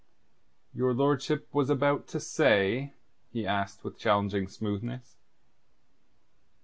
"Your lordship was about to say?" he asked, with challenging smoothness.